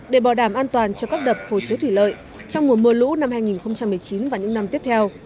để bảo đảm an toàn cho các đập hồ chứa thủy lợi trong mùa mưa lũ năm hai nghìn một mươi chín và những năm tiếp theo